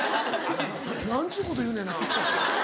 何ちゅうこと言うねんな。